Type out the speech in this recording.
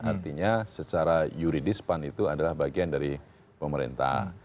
artinya secara yuridis pan itu adalah bagian dari pemerintah